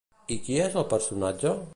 I qui és el personatge?